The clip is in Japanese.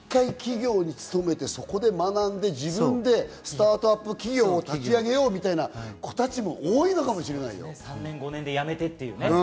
リアルに一回、企業に勤めて、そこで学んで自分でスタートアップ企業を立ち上げようみたいな子３５年で辞めてみたいなね。